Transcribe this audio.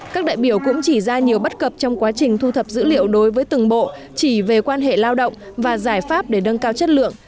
các đại biểu cũng chỉ ra nhiều bất cập trong quá trình thu thập dữ liệu đối với từng bộ chỉ về quan hệ lao động và giải pháp để nâng cao chất lượng